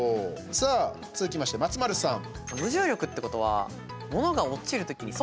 さあ、続きまして、松丸さん。